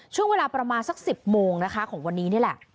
ช่วงเวลาประมาณสัก๑๐โมงนะคะของวันนี้นี่แหละ